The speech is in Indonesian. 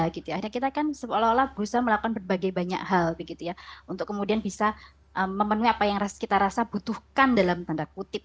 akhirnya kita kan seolah olah berusaha melakukan berbagai banyak hal untuk kemudian bisa memenuhi apa yang kita rasa butuhkan dalam tanda kutip